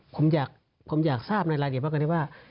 ผมอยากทราบในรายละเอียดมากกว่านี้ว่า